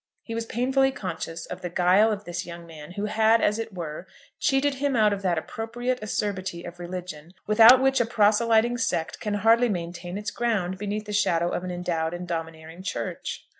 He was painfully conscious of the guile of this young man, who had, as it were, cheated him out of that appropriate acerbity of religion, without which a proselyting sect can hardly maintain its ground beneath the shadow of an endowed and domineering Church.